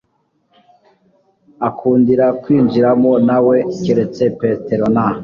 akundira kwinjiranamo na we keretse petero na